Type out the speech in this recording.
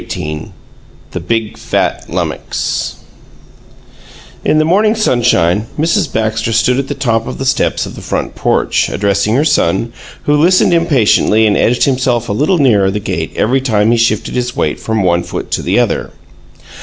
XVIII THE BIG, FAT LUMMOX In the morning sunshine, Mrs. Baxter stood at the top of the steps of the front porch, addressing her son, who listened impatiently and edged himself a little nearer the gate every time he shifted his weight from one foot to the other.